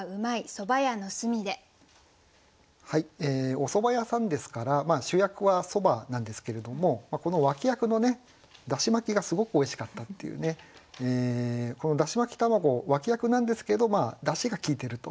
お蕎麦屋さんですから主役は蕎麦なんですけれどもこの脇役のねだし巻きがすごくおいしかったっていうねこのだし巻き玉子脇役なんですけどだしがきいてると。